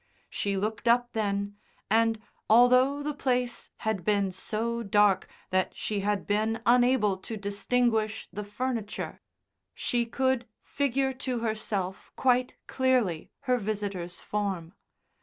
She looked up then, and, although the place had been so dark that she had been unable to distinguish the furniture, she could figure to herself quite clearly her visitor's form.